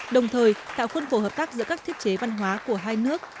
đồng thời tạo khuôn phổ hợp tác giữa các thiết chế văn hóa của hai nước